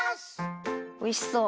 おいしそう。